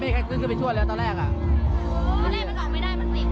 ไม่ได้มันออกไม่ได้มันติด